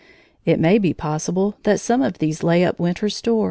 It may be possible that some of these lay up winter stores.